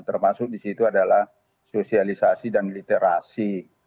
termasuk di situ adalah sosialisasi dan literasi